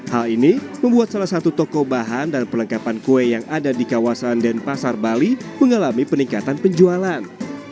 hal ini membuat salah satu toko bahan dan perlengkapan kue yang ada di kawasan denpasar bali mengalami peningkatan penjualan